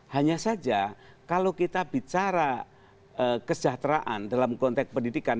hanya saja kalau kita bicara kesejahteraan dalam konteks pendidikan